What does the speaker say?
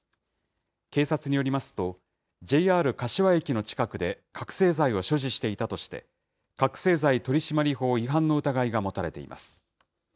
警察によりますと、ＪＲ柏駅の近くで覚醒剤を所持していたとして、覚醒剤取締法違反の疑いが持たれています。